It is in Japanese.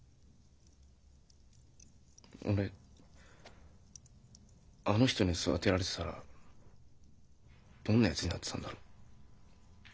俺あの人に育てられてたらどんなやつになってたんだろう？